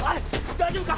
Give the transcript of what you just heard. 大丈夫か！？